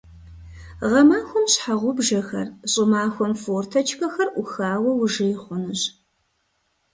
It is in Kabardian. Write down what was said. Гъэмахуэм щхьэгъубжэхэр, щӀымахуэм форточкэхэр Ӏухауэ ужей хъунущ.